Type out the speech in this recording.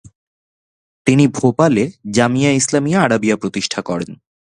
তিনি ভোপালে জামিয়া ইসলামিয়া আরাবিয়া প্রতিষ্ঠা করেন।